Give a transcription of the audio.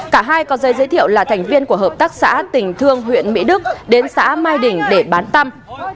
cả hai có dây giới thiệu là thành viên của hợp tác xã tỉnh thương huyện mỹ đức đến xã mai đình để bán tăm